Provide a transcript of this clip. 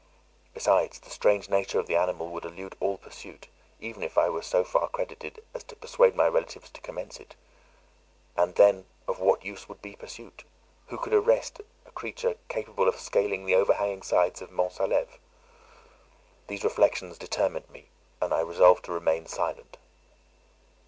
Besides, the strange nature of the animal would elude all pursuit, even if I were so far credited as to persuade my relatives to commence it. And then of what use would be pursuit? Who could arrest a creature capable of scaling the overhanging sides of Mont Salêve? These reflections determined me, and I resolved to remain silent.